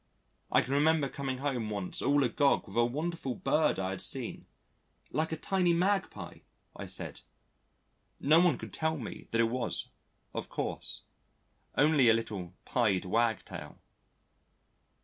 I can remember coming home once all agog with a wonderful Bird I had seen like a tiny Magpie, I said. No one could tell me that it was, of course, only a little Pied Wagtail.